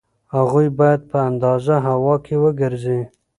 هغوی باید په ازاده هوا کې وګرځي.